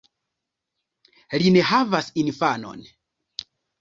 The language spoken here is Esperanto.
Li ne havas infanon.